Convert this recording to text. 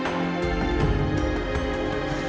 dia juga menangis